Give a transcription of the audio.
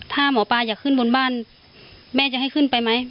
ถ้าหมอปลาอยากขึ้นบนบ้านแม่จะให้ขึ้นไปไหม